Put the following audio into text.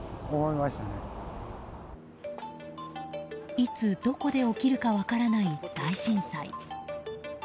いつどこで起きるか分からない大震災。